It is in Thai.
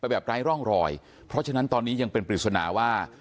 แบบไร้ร่องรอยเพราะฉะนั้นตอนนี้ยังเป็นปริศนาว่า